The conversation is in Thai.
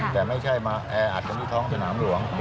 แต่ไม่ใช่มั๊ยอาจจะดูท้องสนามหลวง